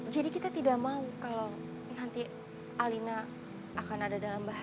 jadi kita tidak mau kalau nanti alina akan ada dalam bahaya